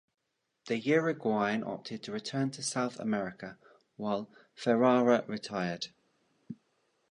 The Uruguayan opted to return to South America, while Ferrara retired.